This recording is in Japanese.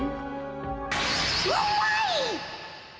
うまいっ！